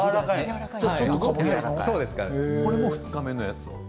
これも２日目のやつ？